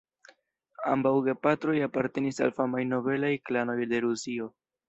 Ambaŭ gepatroj apartenis al famaj nobelaj klanoj de Rusio.